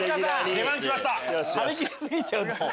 出番来ました！